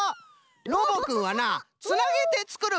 ロボくんはなつなげてつくる